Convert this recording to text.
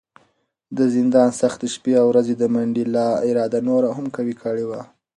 د زندان سختې شپې او ورځې د منډېلا اراده نوره هم قوي کړې وه.